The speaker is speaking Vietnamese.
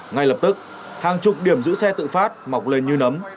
ngay lập tức hàng chục điểm giữ xe tự phát mọc lên như nấm